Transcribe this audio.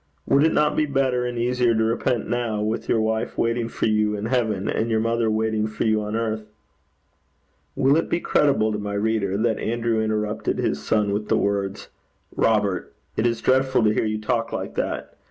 Would it not be better and easier to repent now, with your wife waiting for you in heaven, and your mother waiting for you on earth?' Will it be credible to my reader, that Andrew interrupted his son with the words, 'Robert, it is dreadful to hear you talk like that.